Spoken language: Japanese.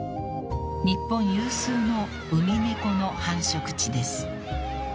［日本有数のウミネコの繁殖地です］